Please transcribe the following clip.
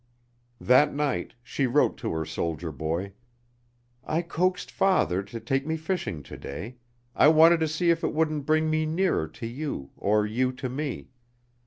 That night she wrote to her soldier boy: "I coaxed father to take me fishing to day. I wanted to see if it wouldn't bring me nearer to you or you to me.